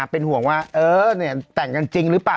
เป็นห่วงว่าเออแต่งกันจริงหรือเปล่า